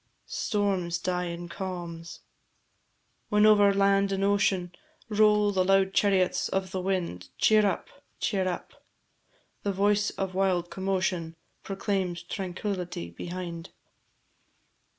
Storms die in calms: When over land and ocean Roll the loud chariots of the wind, Cheer up, cheer up; The voice of wild commotion, Proclaims tranquillity behind.